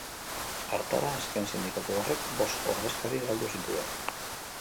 Hartara, azken sindikatu horrek bost ordezkari galdu zituen.